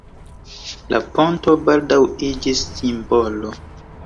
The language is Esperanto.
La ponto baldaŭ iĝis simbolo.